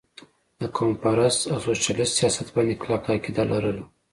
د قوم پرست او سوشلسټ سياست باندې کلکه عقيده لرله